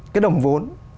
cái đồng vốn